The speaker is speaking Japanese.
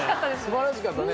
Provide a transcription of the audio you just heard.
素晴らしかったね。